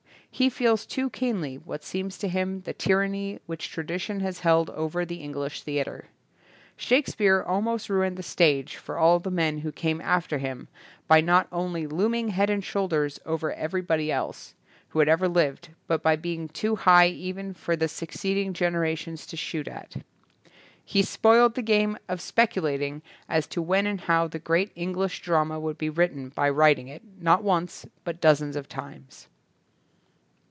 He feels too keenly what seems to him the tyranny which tradition has held over the Eng lish theatre. Shakespeare almost ruined the stage for all the men who came after him by not only looming head and shoulders over anybody else THE ELDER CRITIC AND THE YOUNG ENTHUSIAST who had ever lived, but by being too high even for all the succeeding gen erations to shoot at. He spoiled the game of speculating as to when and how the great English drama would be written by writing it, not once but dozens of times.